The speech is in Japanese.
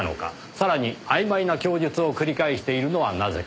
さらにあいまいな供述を繰り返しているのはなぜか。